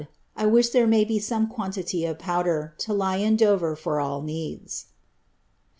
I wish there may be some quantity of powder, to lie in Dover for all needs.'